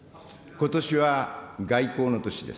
ことしは外交の年です。